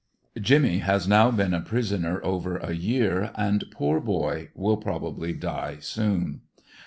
Jim ny has now been a prisoner over a year, and poor boy, will probably die soon.